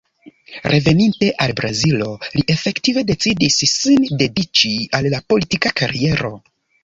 Reveninte al Brazilo, li efektive decidis sin dediĉi al la politika kariero.